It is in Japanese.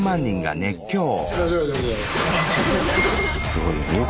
すごいよ。